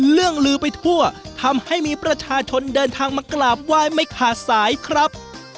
เรื่องลือไปทั่วทำให้มีประชาชนเดินทางมากราบไหว้ไม่ขาดสายครับ